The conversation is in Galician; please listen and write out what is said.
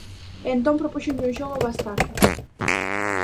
E entón propúxenlle un xogo bastardo.